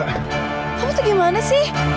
kamu tuh gimana sih